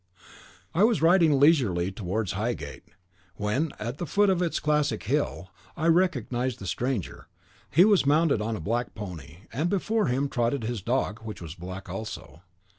I was riding leisurely towards Highgate, when, at the foot of its classic hill, I recognised the stranger; he was mounted on a black pony, and before him trotted his dog, which was black also.